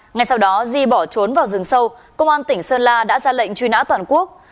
ngay sau đó di bỏ trốn vào rừng sâu công an tỉnh sơn la đã ra lệnh truy nã toàn quốc